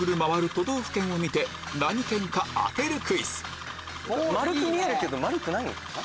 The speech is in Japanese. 都道府県を見て何県か当てるクイズ丸く見えるけど丸くないのかな？